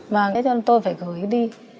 vâng thế nên tôi phải gửi đi